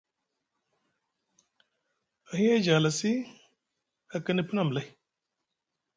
Ahiyeje a halasi, a kini pini amlay.